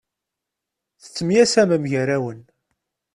Tettemyasamem gar-awen.